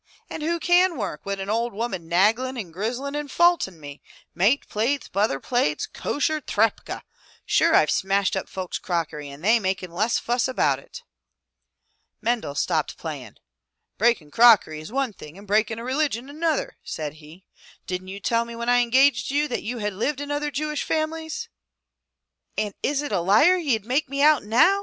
"And who can work wid an ould woman nagglin' and grizzlin' 182 FROM THE TOWER WINDOW and faultin' me? Mate plates, butther plates, kosher, trepha! Sure, Fve smashed up folks' crockery and they makin' less fuss about it!'' Mendel stopped playing. "Breaking crockery is one thing and breaking a religion another," said he. "Didn't you tell me when I engaged you that you had lived in other Jewish families?" "And is it a liar ye'd make me out now?"